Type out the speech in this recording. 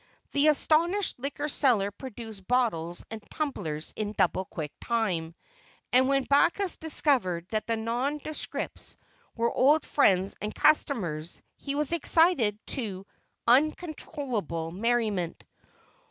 The astonished liquor seller produced bottles and tumblers in double quick time, and when Backus discovered that the nondescripts were old friends and customers, he was excited to uncontrollable merriment.